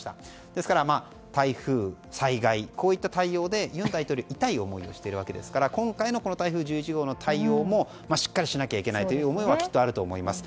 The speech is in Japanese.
ですから台風、災害と尹大統領は痛い思いをしているわけですから今回の台風１１号の対応もしっかりしなきゃいけないという思いはきっとあると思います。